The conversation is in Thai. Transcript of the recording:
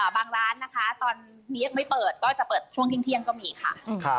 ร้านนะคะตอนนี้ยังไม่เปิดก็จะเปิดช่วงเที่ยงก็มีค่ะ